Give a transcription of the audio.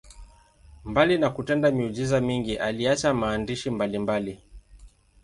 Mbali na kutenda miujiza mingi, aliacha maandishi mbalimbali.